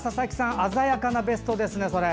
鮮やかなベストですね。